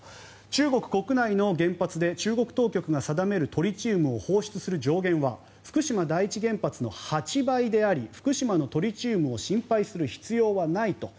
中国国内の原発で中国当局が定めるトリチウムを放出する上限は福島第一原発の８倍であり福島のトリチウムを心配する必要はないと。